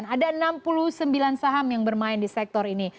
ada enam puluh sembilan saham yang bermain di sektor ini